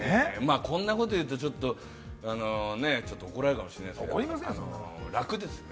こんなことを言うとちょっと怒られるかもしれませんけれども、楽ですね。